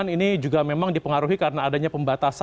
dan ini juga memang dipengaruhi karena adanya pembatasan